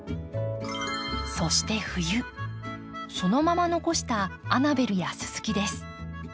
そして冬そのまま残したアナベルやススキです。